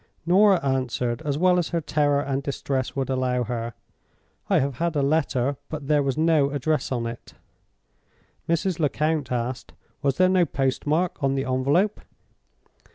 "Norah answered, as well as her terror and distress would allow her, 'I have had a letter, but there was no address on it.' "Mrs. Lecount asked, 'Was there no postmark on the envelope?